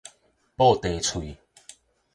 布袋喙